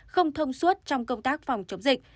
không thông suốt trong công tác phòng chống dịch